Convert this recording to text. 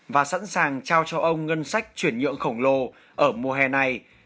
và sẵn sàng trao cho ông ngân sách chuyển nhượng khổng lồ ở mùa hè này